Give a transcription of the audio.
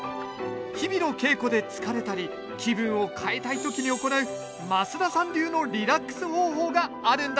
日々の稽古で疲れたり気分を変えたい時に行う増田さん流のリラックス方法があるんだそうです